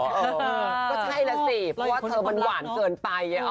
เออก็ใช่แล้วสิเพราะว่าเธอมันหวานเกินไป